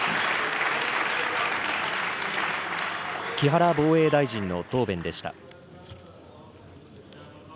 木原防衛大臣の答弁でした。